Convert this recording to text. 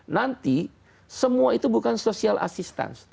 nanti semua itu bukan social assistance